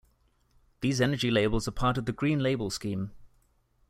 These energy labels are part of the Green Label Scheme.